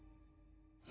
何？